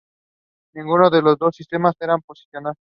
Ninguno de los dos sistemas era posicional.